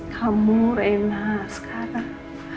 kamu reina sekarang